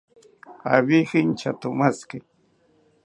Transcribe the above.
Abije intyatomashiki